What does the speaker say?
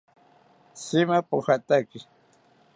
Shima pojataki